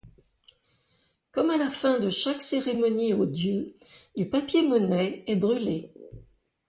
Comme à la fin de chaque cérémonie aux dieux, du papier-monnaie est brûlé.